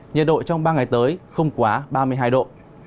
nhiệt độ trong ba ngày tới không quá ba mươi hai độ